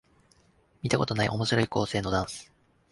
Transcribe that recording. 見たことない面白い構成のダンス